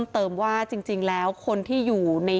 อยู่ดีมาตายแบบเปลือยคาห้องน้ำได้ยังไง